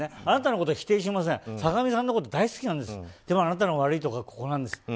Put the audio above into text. あなたのことは否定しません坂上さんのことは大好きなんですでもあなたの悪いところはここなんです。